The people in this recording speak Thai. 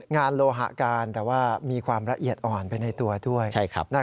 โลหะการแต่ว่ามีความละเอียดอ่อนไปในตัวด้วย